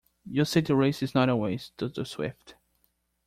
You say the race is not always to the swift.